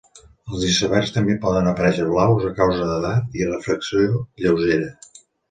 Els icebergs també poden aparèixer blaus a causa d'edat i refracció lleugera.